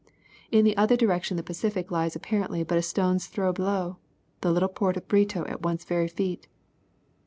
In the other direction the Pacific lies apparently but a stone's throw below, the little port of Brito at one's very feet.